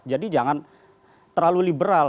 jadi jangan terlalu liberal